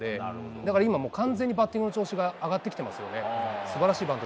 だから今、完全にバッティングの調子が上がってきていますね。